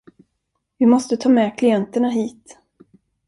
Vi måste ta med klienterna hit.